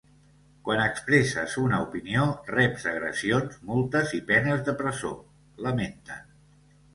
Quan expresses una opinió reps agressions, multes i penes de presó, lamenten.